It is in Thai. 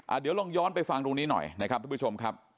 เดี๋ยวลองย้อนไปฟังตรงนี้หน่อยนะครับทุกผู้ชมครับ